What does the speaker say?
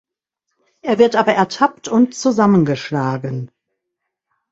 Er wird aber ertappt und zusammengeschlagen.